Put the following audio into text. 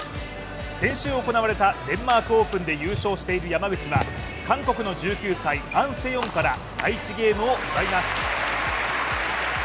先週行われたデンマークオープンで優勝している山口は韓国の１９歳、アン・セヨンから第１ゲームを奪います。